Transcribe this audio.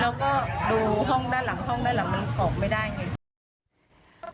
แล้วก็ดูห้องด้านหลังวันกรอบไม่ได้